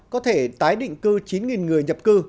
có thể tái định cư chín người nhập cư